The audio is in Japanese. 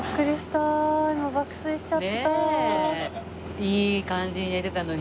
いい感じに寝てたのに。